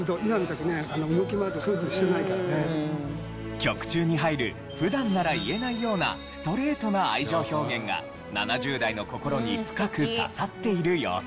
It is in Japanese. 曲中に入る普段なら言えないようなストレートな愛情表現が７０代の心に深く刺さっている様子。